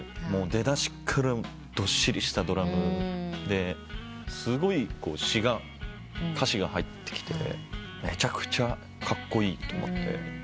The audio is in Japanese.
出だしからどっしりしたドラムですごい歌詞が入ってきてめちゃくちゃカッコイイと思って。